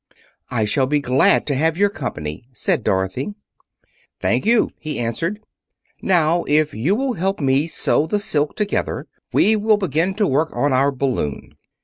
"I shall be glad to have your company," said Dorothy. "Thank you," he answered. "Now, if you will help me sew the silk together, we will begin to work on our balloon."